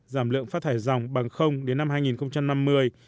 giảm lượng phát thải dòng bằng đến năm hai nghìn năm mươi